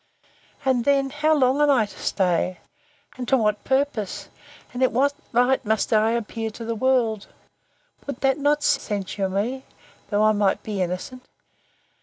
—And then, how long am I to stay? And to what purpose? And in what light must I appear to the world? Would not that censure me, although I might be innocent?